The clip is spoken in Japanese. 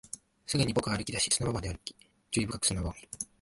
すぐに僕は歩き出し、砂場まで行き、注意深く砂場を見る